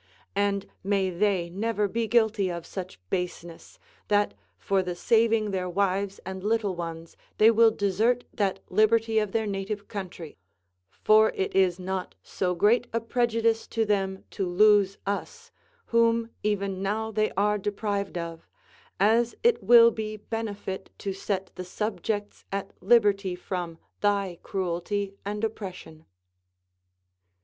And may they never be guilty of such baseness, that for the saving their wives and little ones they Λνϋΐ desert that liberty of their native country ; for it is not so great a prejudice to them to lose us, Avhom even ηολν they are depriA^ed of, as it will be benefit to set the subjects at liberty from thy cruelty and oppression."